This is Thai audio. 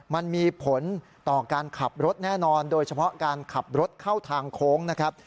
มันมีผลต่อการขับรถแน่นอนโดยเฉพาะการขับรถเข้าทางโค้งนะครับ